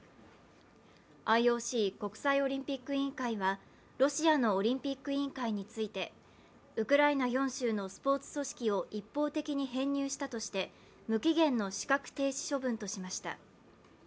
ＩＯＣ＝国際オリンピック委員会は、ロシアのオリンピック委員会についてウクライナ４州のスポーツ組織を一方的に編入したとして無期限の資格停止処分としました。